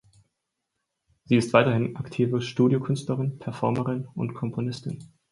Sie ist weiterhin aktive Studiokünstlerin, Performerin und Komponistin.